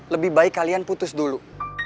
lebih baik kalian putus dulu